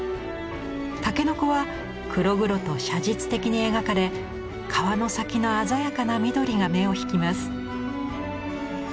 筍は黒々と写実的に描かれ皮の先の鮮やかな緑が目を引きます。